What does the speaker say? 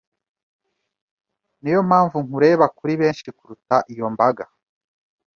Ni yo mpamvu nkureba kuri benshi kuruta iyo mbaga